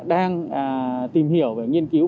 đang tìm hiểu và nghiên cứu